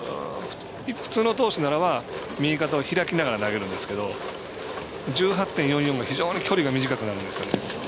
普通の投手ならば右肩を開きながら投げるんですけど１８．４４が非常に距離が短くなるんです。